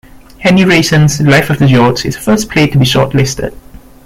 Hannie Rayson's, "Life after George", is the first play to be shortlisted.